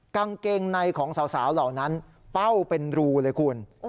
กางเกงในของสาวเหล่านั้นเป้าเป็นรูเลยคุณ